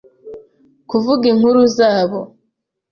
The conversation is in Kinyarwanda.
kuvuga inkuru zabo.